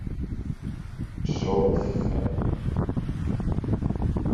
Suff.